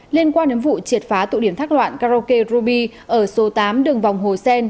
liên quan đến vụ triệt phá tụ điểm thác loạn karaoke ruby ở số tám đường vòng hồ sen